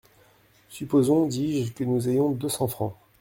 Supposons, dis-je, que nous ayons deux cents francs…